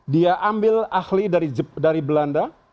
dia ambil ahli dari belanda